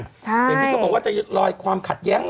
อย่างที่เขาบอกว่าจะลอยความขัดแย้ง